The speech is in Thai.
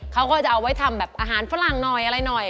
เขาก็จะเอาไว้ทำแบบอาหารฝรั่งหน่อยอะไรหน่อย